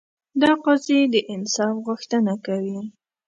دا قاضي د انصاف غوښتنه کوي.